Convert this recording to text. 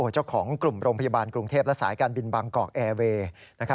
เจ้าของกลุ่มโรงพยาบาลกรุงเทพและสายการบินบางกอกแอร์เวย์